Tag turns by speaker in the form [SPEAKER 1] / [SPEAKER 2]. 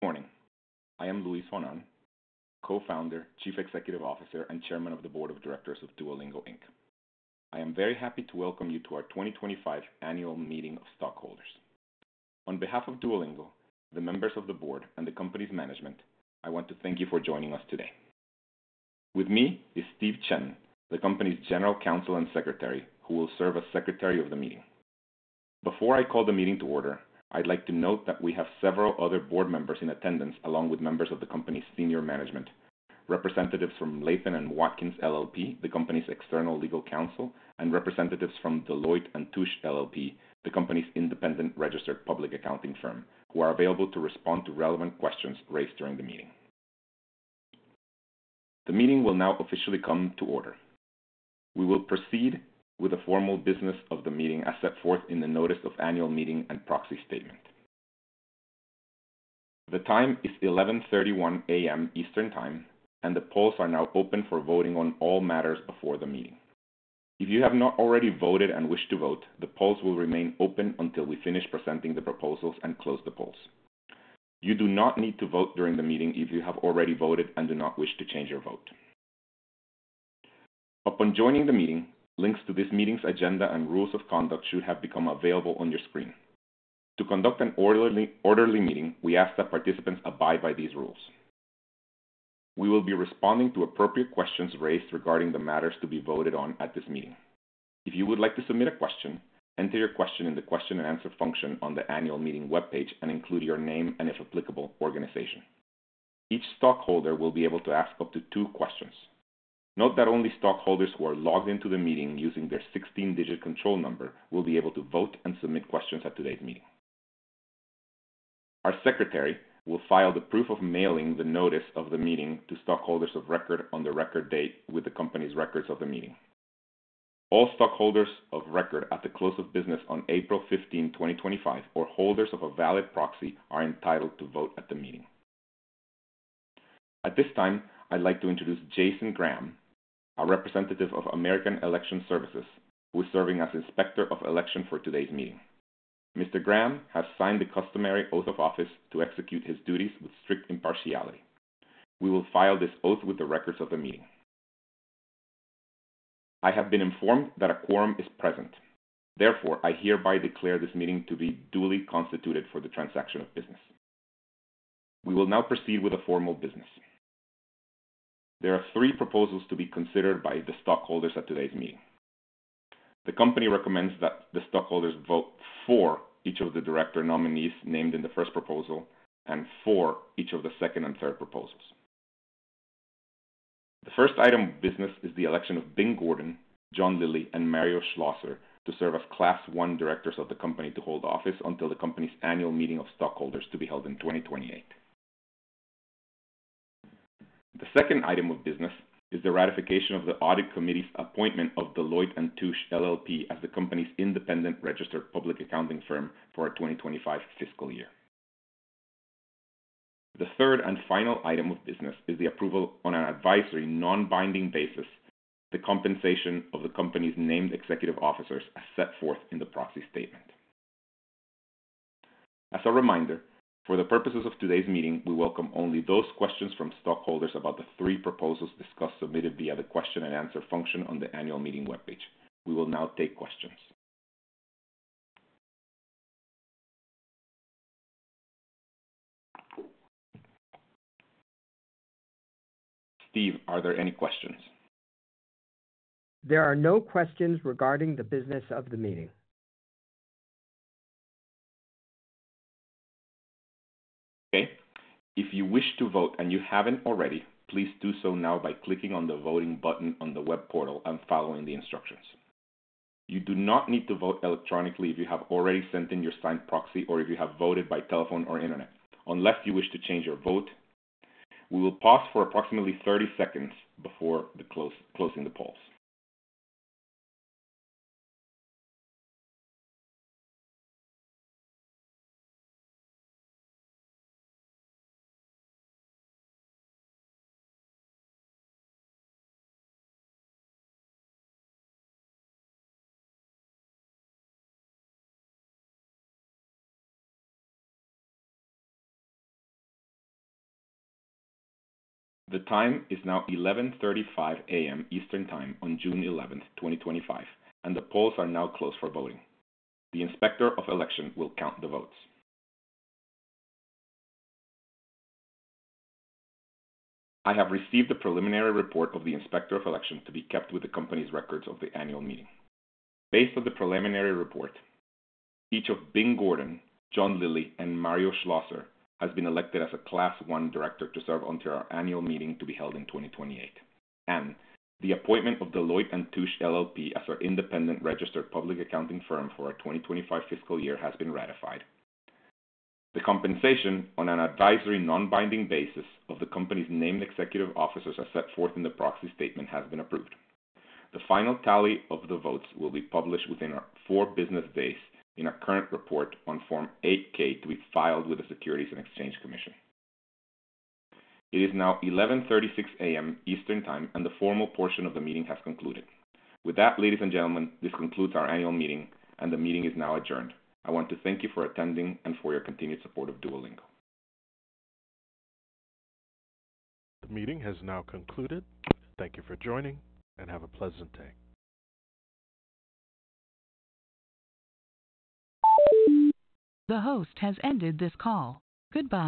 [SPEAKER 1] Morning. I am Luis von Ahn, Co-founder, Chief Executive Officer, and Chairman of the Board of Directors of Duolingo. I am very happy to welcome you to our 2025 Annual Meeting of Stockholders. On behalf of Duolingo, the members of the board, and the company's management, I want to thank you for joining us today. With me is Steve Chen, the company's General Counsel and Secretary, who will serve as Secretary of the Meeting. Before I call the meeting to order, I'd like to note that we have several other board members in attendance, along with members of the company's senior management, representatives from Latham & Watkins LLP, the company's external legal counsel, and representatives from Deloitte & Touche LLP, the company's independent registered public accounting firm, who are available to respond to relevant questions raised during the meeting. The meeting will now officially come to order. We will proceed with the formal business of the meeting as set forth in the Notice of Annual Meeting and Proxy Statement. The time is 11:31 A.M. Eastern Time, and the polls are now open for voting on all matters before the meeting. If you have not already voted and wish to vote, the polls will remain open until we finish presenting the proposals and close the polls. You do not need to vote during the meeting if you have already voted and do not wish to change your vote. Upon joining the meeting, links to this meeting's agenda and rules of conduct should have become available on your screen. To conduct an orderly meeting, we ask that participants abide by these rules. We will be responding to appropriate questions raised regarding the matters to be voted on at this meeting. If you would like to submit a question, enter your question in the question-and-answer function on the Annual Meeting webpage and include your name and, if applicable, organization. Each stockholder will be able to ask up to two questions. Note that only stockholders who are logged into the meeting using their 16-digit control number will be able to vote and submit questions at today's meeting. Our Secretary will file the proof of mailing the Notice of the Meeting to stockholders of record on the record date with the company's records of the meeting. All stockholders of record at the close of business on April 15, 2025, or holders of a valid proxy, are entitled to vote at the meeting. At this time, I'd like to introduce Jason Graham, a representative of American Election Services, who is serving as Inspector of Election for today's meeting. Mr. Graham has signed the customary oath of office to execute his duties with strict impartiality. We will file this oath with the records of the meeting. I have been informed that a quorum is present. Therefore, I hereby declare this meeting to be duly constituted for the transaction of business. We will now proceed with the formal business. There are three proposals to be considered by the stockholders at today's meeting. The company recommends that the stockholders vote for each of the director nominees named in the first proposal and for each of the second and third proposals. The first item of business is the election of Bing Gordon, John Lilly, and Mario Schlosser to serve as Class 1 directors of the company to hold office until the company's Annual Meeting of Stockholders to be held in 2028. The second item of business is the ratification of the Audit Committee's appointment of Deloitte & Touche LLP as the company's independent registered public accounting firm for the 2025 fiscal year. The third and final item of business is the approval, on an advisory non-binding basis, of the compensation of the company's named executive officers as set forth in the proxy statement. As a reminder, for the purposes of today's meeting, we welcome only those questions from stockholders about the three proposals discussed submitted via the question-and-answer function on the Annual Meeting webpage. We will now take questions. Steve, are there any questions?
[SPEAKER 2] There are no questions regarding the business of the meeting.
[SPEAKER 1] Okay. If you wish to vote and you haven't already, please do so now by clicking on the voting button on the web portal and following the instructions. You do not need to vote electronically if you have already sent in your signed proxy or if you have voted by telephone or internet, unless you wish to change your vote. We will pause for approximately 30 seconds before closing the polls. The time is now 11:35 A.M. Eastern Time on June 11, 2025, and the polls are now closed for voting. The Inspector of Election will count the votes. I have received the preliminary report of the Inspector of Election to be kept with the company's records of the Annual Meeting. Based on the preliminary report, each of Bing Gordon, John Lilly, and Mario Schlosser has been elected as a Class 1 director to serve until our Annual Meeting to be held in 2028, and the appointment of Deloitte & Touche LLP as our independent registered public accounting firm for the 2025 fiscal year has been ratified. The compensation on an advisory non-binding basis of the company's named executive officers as set forth in the proxy statement has been approved. The final tally of the votes will be published within four business days in a current report on Form 8-K to be filed with the Securities and Exchange Commission. It is now 11:36 A.M. Eastern Time, and the formal portion of the meeting has concluded. With that, ladies and gentlemen, this concludes our Annual Meeting, and the meeting is now adjourned. I want to thank you for attending and for your continued support of Duolingo.
[SPEAKER 3] The meeting has now concluded. Thank you for joining, and have a pleasant day. The host has ended this call. Goodbye.